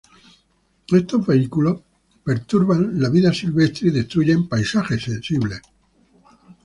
Estos vehículos perturban la vida silvestre y destruyen paisajes sensibles.